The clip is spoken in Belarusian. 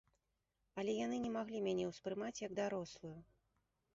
Але яны не маглі мяне ўспрымаць, як дарослую.